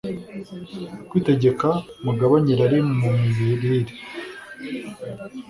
kwitegeka Mugabanye irari mu mirire